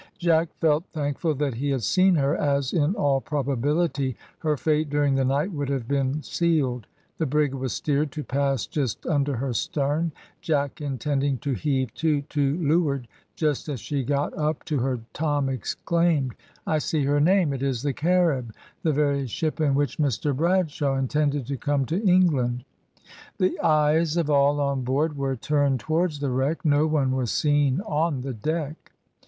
Jack felt thankful that he had seen her, as, in all probability, her fate during the night would have been sealed. The brig was steered to pass just under her stern, Jack intending to heave to to leeward. Just as she got up to her, Tom exclaimed "I see her name it is the Carib, the very ship in which Mr Bradshaw intended to come to England." The eyes of all on board were turned towards the wreck. No one was seen on the deck.